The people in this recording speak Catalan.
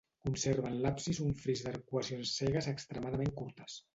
Conserva en l'absis un fris d'arcuacions cegues extremadament curtes.